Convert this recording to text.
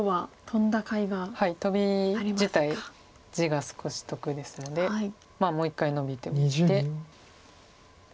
トビ自体地が少し得ですのでもう一回ノビておいて。